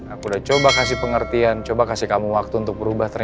aku udah coba kasih pengertian coba kasih kamu waktu untuk berubah